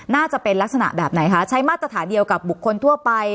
น่าจะเป็นลักษณะแบบไหนคะใช้มาตรฐานเดียวกับบุคคลทั่วไป